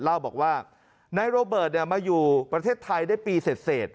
เบาบอกว่าณโรเบิร์ดมาอยู่กับประเทศไทยในปีเสร็จ